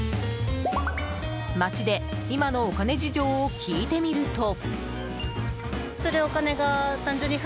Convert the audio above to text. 街で今のお金事情を聞いてみると。